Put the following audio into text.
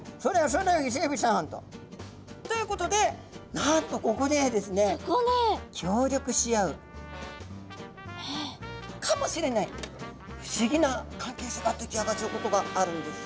そうだよイセエビさん」と。ということでなんとここでですね協力し合うかもしれない不思議な関係性が出来上がっちゃうことがあるんです。